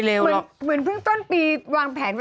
ลืมตามแม่